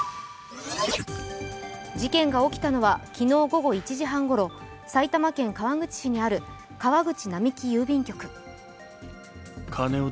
事件が起きたのは昨日午後１時半ごろ埼玉県川口市にある川口並木郵便局。